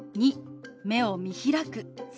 ２目を見開く。